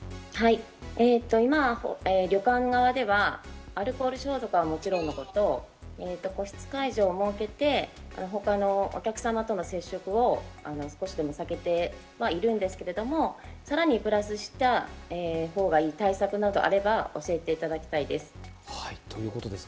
旅館側ではアルコール消毒はもちろんのこと、個室会場を設けて他のお客様との接触を少しでも避けてはいるんですけれども、さらにプラスしたほうがいい対策などがあれば教えていただきたいです。